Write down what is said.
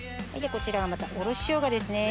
こちらはおろししょうがですね。